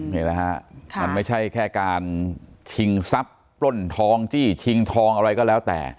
นี่แหละฮะมันไม่ใช่แค่การชิงทรัพย์ปล้นทองจี้ชิงทองอะไรก็แล้วแต่